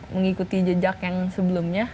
mengikuti jejak yang sebelumnya